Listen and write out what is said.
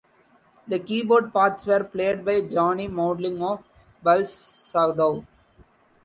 The keyboard parts were played by Jonny Maudling of Bal-Sagoth.